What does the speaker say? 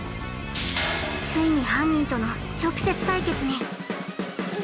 ついに犯人との直接対決に。